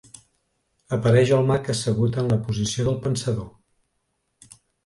Apareix el mag assegut en la posició del pensador.